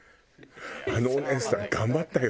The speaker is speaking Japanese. あのお姉さん頑張ったよ。